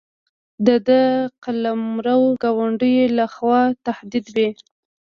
د ده قلمرو د ګاونډیو له خوا تهدید وي.